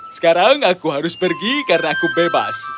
sekarang aku harus pergi karena aku bebas